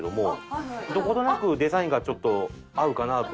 どことなくデザインがちょっと合うかなあと。